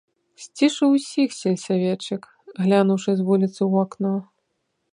Сцішыў усіх сельсаветчык, глянуўшы з вуліцы ў акно.